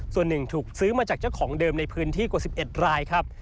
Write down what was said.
ส่วนหนึ่งถูกซื้อมาจากเจ้าของเดิมในพื้นที่กว่า๑๑รายครับ